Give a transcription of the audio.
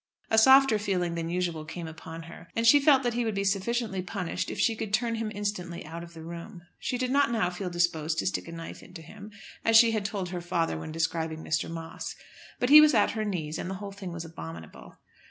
A softer feeling than usual came upon her, and she felt that he would be sufficiently punished if she could turn him instantly out of the room. She did not now feel disposed "to stick a knife into him," as she had told her father when describing Mr. Moss. But he was at her knees and the whole thing was abominable.